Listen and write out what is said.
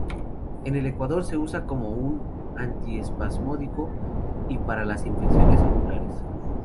En el Ecuador, se usa como un antiespasmódico y para las infecciones oculares.